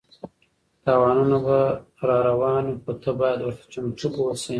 تاوانونه به راروان وي خو ته باید ورته چمتو اوسې.